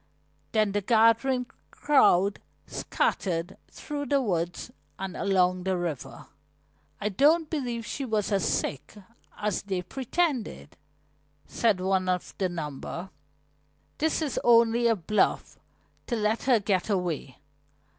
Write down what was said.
Then the gathering crowd scattered through the woods and along the river. "I don't believe she was as sick as they pretended," said one of the number. "This is only a bluff to let her get away.